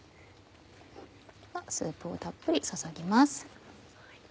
スープをたっぷり注ぎます。